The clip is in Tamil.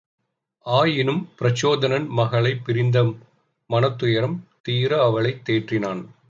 ஆயினும் பிரச்சோதனன் மகளைப் பிரிந்த மனத் துயரம் தீர அவளைத் தேற்றினான்.